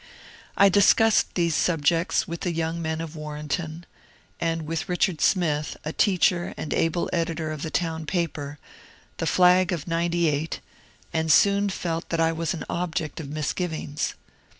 I discussed these subjects with the young men of Warrenton, and with Richard Smith, a teacher and able editor of the town paper, ^' The Flag of '98," and soon felt that I was an object of mis givings.